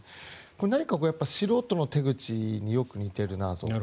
何か素人の手口によく似ているなと。